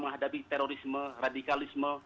menghadapi terorisme radikalisme